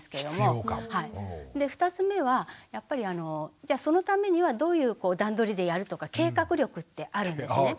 ２つ目はやっぱりじゃあそのためにはどういう段取りでやるとか計画力ってあるんですね。